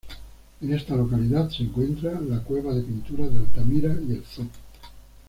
En esta localidad se encuentra la cueva de pinturas de Altamira y el Zoo.